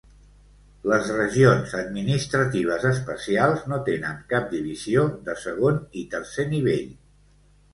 Les regions administratives especials no tenen cap divisió de segon i tercer nivell.